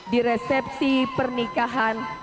di resepsi pernikahan